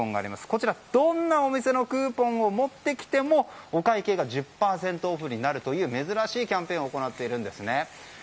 こちら、どんなお店のクーポンを持ってきてもお会計が１０％オフになるという珍しいキャンペーンを行っているんですね。